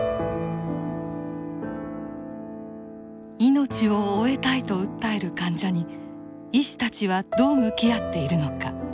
命を終えたいと訴える患者に医師たちはどう向き合っているのか。